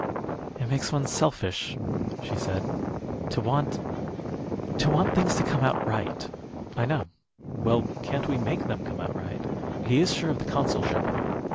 "It makes one selfish," she said, "to want to want things to come out right." "I know. Well, can't we make them come out right? He is sure of the consulship?"